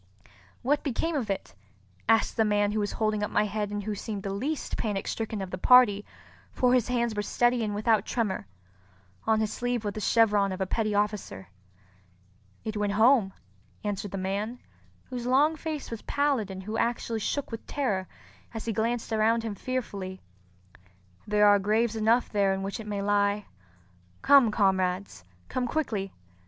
"What became of it?" asked the man who was holding up my head and who seemed the least panic stricken of the party, for his hands were steady and without tremor. On his sleeve was the chevron of a petty officer. "It went home," answered the man, whose long face was pallid and who actually shook with terror as he glanced around him fearfully. "There are graves enough there in which it may lie. Come, comrades—come quickly!